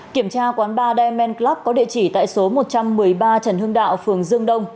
kiểm tra quán bar diamond club có địa chỉ tại số một trăm một mươi ba trần hương đạo phường dương đông